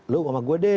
lu sama gue deh